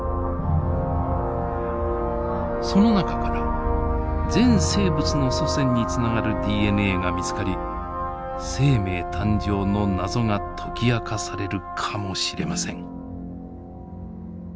その中から全生物の祖先につながるＤＮＡが見つかり生命誕生の謎が解き明かされるかもしれません。